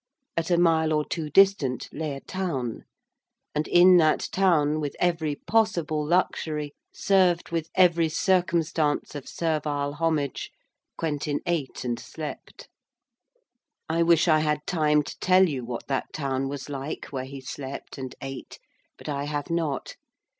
At a mile or two distant lay a town. And in that town, with every possible luxury, served with every circumstance of servile homage, Quentin ate and slept. I wish I had time to tell you what that town was like where he slept and ate, but I have not.